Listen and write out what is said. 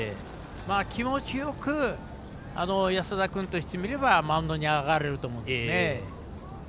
気持ちよく安田君としてみればマウンドに上がれると思うんですね。